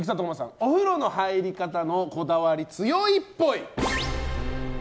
お風呂の入り方のこだわり強いっぽい。